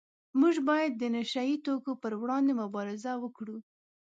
موږ باید د نشه یي توکو پروړاندې مبارزه وکړو